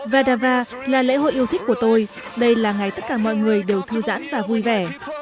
vardava là lễ hội yêu thích của tôi đây là ngày tất cả mọi người đều thư giãn và vui vẻ